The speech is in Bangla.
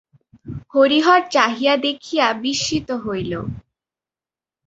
হরিহর চাহিয়া দেখিয়া বিস্মিত হইল।